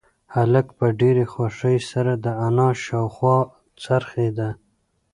هلک په ډېرې خوښۍ سره د انا شاوخوا څرخېده.